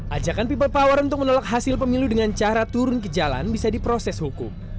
ajakan people power untuk menolak hasil pemilu dengan cara turun ke jalan bisa diproses hukum